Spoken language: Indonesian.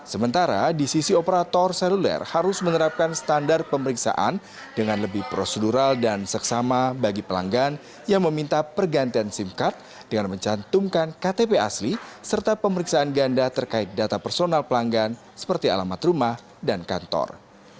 sementara di sisi operator seluler harus menerapkan standar pemeriksaan dengan lebih prosedural dan seksama bagi pelanggan yang meminta pergantian sim card dengan mencantumkan ktp asli serta pemeriksaan ganda terkait data personal pelanggan seperti alamat rumah dan kantor